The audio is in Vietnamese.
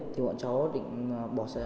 thì bọn cháu định bỏ xe